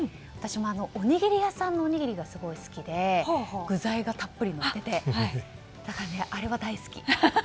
私も、おにぎりやさんのおにぎりがすごい好きで具材がたっぷりのっていてだから、あれが大好き。